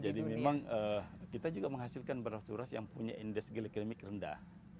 jadi memang kita juga menghasilkan beras beras yang punya indeks gilaikimik rendah